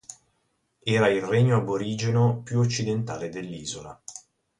Era il regno aborigeno più occidentale dell'isola.